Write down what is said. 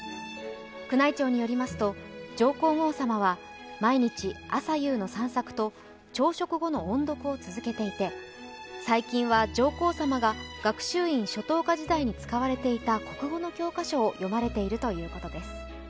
宮内庁よりますと上皇后さまは毎日朝夕の散策と朝食後の音読を続けていて、最近は上皇さまが学習院初等科時代に使われていた国語の教科書を読まれているということです。